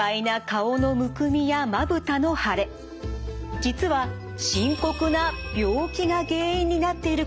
実は深刻な病気が原因になっていることもあります。